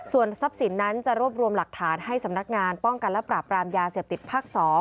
ส่วนทรัพย์สินนั้นจะรวบรวมหลักฐานให้สำนักงานป้องกันและปราบรามยาเสพติดภาค๒